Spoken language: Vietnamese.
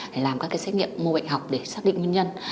để làm các cái xét nghiệm mô bệnh học để xác định nguyên nhân